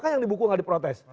apakah yang dibuku gak diprotes